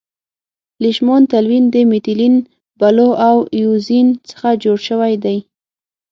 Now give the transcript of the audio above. لیشمان تلوین د میتیلین بلو او اییوزین څخه جوړ شوی دی.